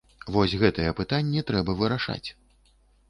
Вось гэтыя пытанні трэба вырашаць!